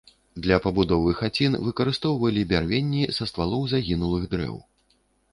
Для пабудовы хацін выкарыстоўвалі бярвенні са ствалоў загінулых дрэў.